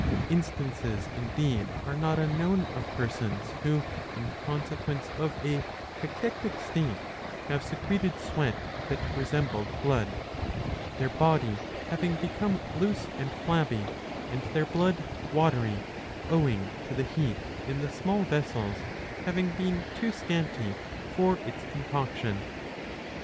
Instances, indeed, are not unknown of persons who in consequence of a cachectic state have secreted sweat that resembled blood,^ their 668 b. 74 iii. 5— iii 6. body having become loose and flabby, and their blood watery, owing to the heat in the small vessels^ having been too scanty for its concoction.